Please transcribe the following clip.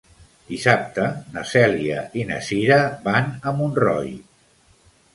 Dissabte na Cèlia i na Cira van a Montroi.